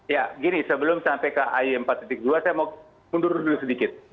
ya gini sebelum sampai ke ay empat dua saya mau mundur dulu sedikit